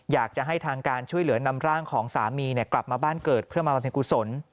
อยากจะให้ทางการช่วยเหลือนำร่างของสามีกลับมาบ้านเกิดเพื่อมาบรรเพ็ญกุศล